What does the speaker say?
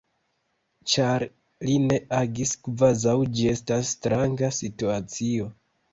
Ĉar li ne agis kvazaŭ ĝi estas stranga situacio.